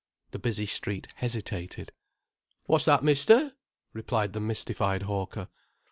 The busy street hesitated. "What's that, mister?" replied the mystified hawker.